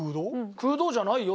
空洞じゃないよ。